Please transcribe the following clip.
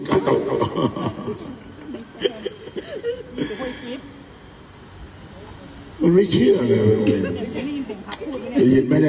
พักล้องตากูคนเดียวบอกเลย